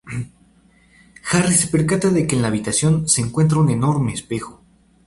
Harry se percata de que en la habitación se encuentra un enorme espejo.